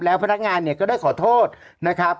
แล้วพนักงานเนี่ยก็ได้ขอโทษนะครับ